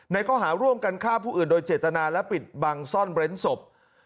ข้อหาร่วมกันฆ่าผู้อื่นโดยเจตนาและปิดบังซ่อนเร้นศพ